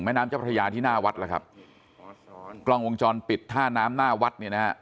แม่น้ำเจ้าพระยาที่หน้าวัดแล้วครับกล้ององค์จรปิดท่าน้ำหน้าวัด